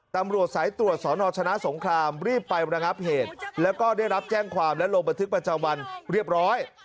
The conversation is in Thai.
ตำรวจสายตรวจสอนอชนะสงครามรีบไประงับเหตุแล้วก็ได้รับแจ้งความและลงบันทึกประจำวันเรียบร้อย